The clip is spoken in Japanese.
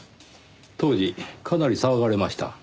当時かなり騒がれました。